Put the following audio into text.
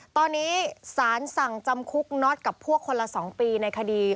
ตอนนี้ศานสั่งจำคลุกนด์กับพวกคนละสองปีในคดี